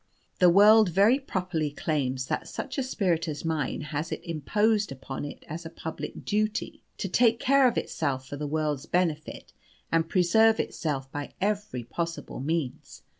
The world very properly claims that such a spirit as mine has it imposed upon it as public duty to take care of itself for the world's benefit, and preserve itself by every possible means.